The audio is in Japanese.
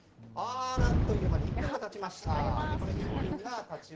あっという間に１分が経ちました。